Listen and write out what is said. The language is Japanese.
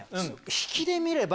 「引きで見れば」？